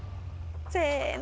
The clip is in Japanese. せの！